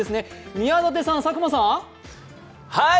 宮舘さん、佐久間さん！